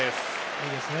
いいですね。